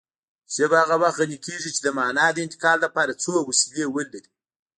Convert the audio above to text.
ژبه هغه وخت غني کېږي چې د مانا د انتقال لپاره څو وسیلې ولري